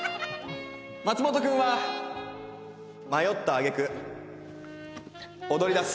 松本君は迷った挙句踊りだす。